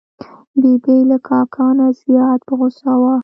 ببۍ له کاکا نه زیاته په غوسه وه.